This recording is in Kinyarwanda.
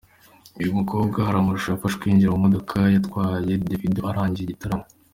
Uyu mukobwa hari amashusho yafashwe yinjira mu modoka yatwaye Davido arangije igitaramo.